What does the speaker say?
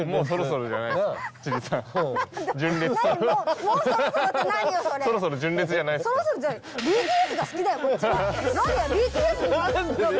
そろそろ純烈じゃないですか？